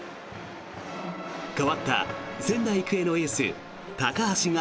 代わった仙台育英のエース高橋煌